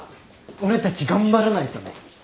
俺たち頑張らないとね。